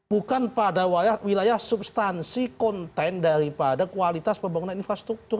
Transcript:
bukan pada wilayah substansi konten daripada kualitas pembangunan infrastruktur